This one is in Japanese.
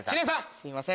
すいません。